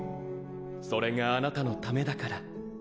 それがあなたのためだから